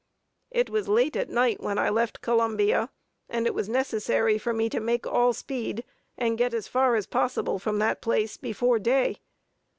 It was late at night, when I left Columbia, and it was necessary for me to make all speed, and get as far as possible from that place before day.